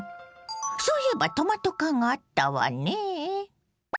そういえばトマト缶があったわねぇ。